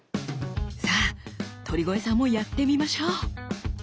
さあ鳥越さんもやってみましょう！